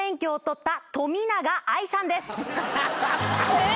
えっ！？